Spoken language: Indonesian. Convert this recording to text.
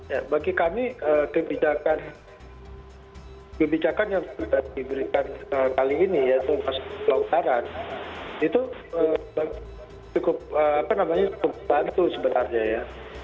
ya bagi kami kebijakan kebijakan yang sudah diberikan kali ini yaitu masing masing peluang taran itu cukup apa namanya cukup bantu sebenarnya ya